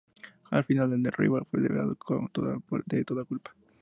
Al final, The Revival fue liberado de toda culpa.